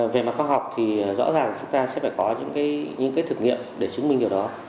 về mặt khoa học thì rõ ràng chúng ta sẽ phải có những cái thực nghiệm để chứng minh điều đó